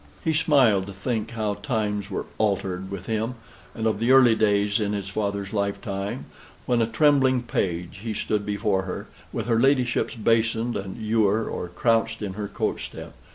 He smiled to think how times were altered with him, and of the early days in his father's lifetime, when a trembling page he stood before her, with her ladyship's basin and ewer, or crouched in her coach step.